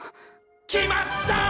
決まった！